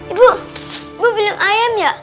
ibu bu beli ayam ya